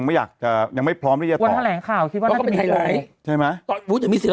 แววตาผมเจนะมั้ย